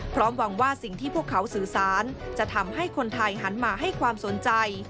หวังว่าสิ่งที่พวกเขาสื่อสารจะทำให้คนไทยหันมาให้ความสนใจ